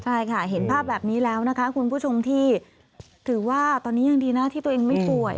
ใช่ค่ะเห็นภาพแบบนี้แล้วนะคะคุณผู้ชมที่ถือว่าตอนนี้ยังดีนะที่ตัวเองไม่ป่วย